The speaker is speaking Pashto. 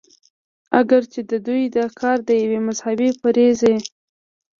اګر چې د دوي دا کار د يوې مذهبي فريضې